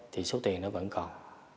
thì số tiền nó vẫn còn